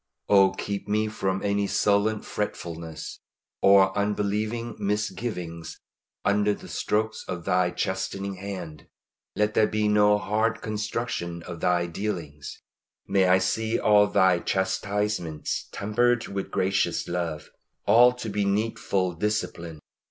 Oh keep me from any sullen fretfulness, or unbelieving misgivings, under the strokes of Thy chastening hand. Let there be no hard construction of Thy dealings. May I see all Thy chastisements tempered with gracious love all to be needful discipline.